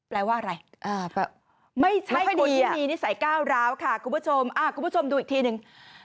แปลว่าอะไรไม่ใช่มีนิสัยก้าวร้าวค่ะคุณผู้ชมคุณผู้ชมดูอีกทีหนึ่ง